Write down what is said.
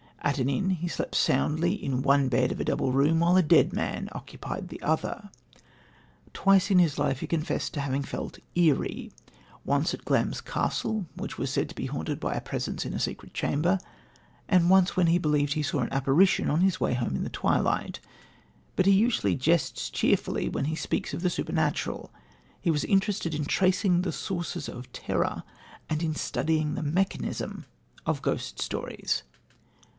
At an inn he slept soundly in one bed of a double room, while a dead man occupied the other. Twice in his life he confessed to having felt "eerie" once at Glamis Castle, which was said to be haunted by a Presence in a Secret Chamber, and once when he believed that he saw an apparition on his way home in the twilight; but he usually jests cheerfully when he speaks of the supernatural. He was interested in tracing the sources of terror and in studying the mechanism of ghost stories.